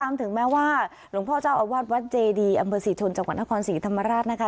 ถึงแม้ว่าหลวงพ่อเจ้าอาวาสวัดเจดีอำเภอศรีชนจังหวัดนครศรีธรรมราชนะคะ